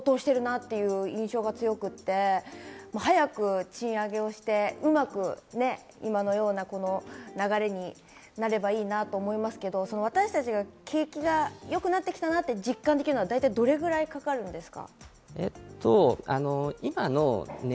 去年とかスーパーに行っても、お野菜とか乳製品とか、すごい高騰してるなって印象が強くて、早く賃上げをして、うまく今のような流れになればいいなと思いますけど、私たちが景気が良くなってきたなと実感できるのは、大体どれくらいかかるんですか？